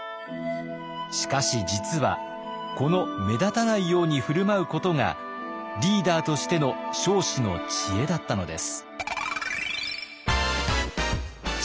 しかし実はこの目立たないように振る舞うことがリーダーとしての彰子の知恵だったのです。